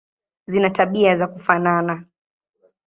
Zina tabia za kufanana.